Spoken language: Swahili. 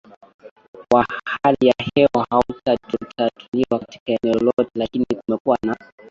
wa hali ya hewa haujatatuliwa katika eneo lolote lakini kumekuwa na